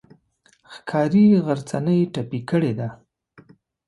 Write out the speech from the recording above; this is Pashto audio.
ښکاري غرڅنۍ ټپي کړې ده.